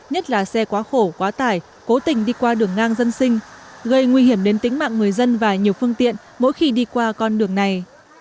nhất là xe quá khổ quá tải cố tình đi qua đường ngang dân sinh gây nguy hiểm đến tính mạng người dân và nhiều phương tiện mỗi khi đi qua con đường này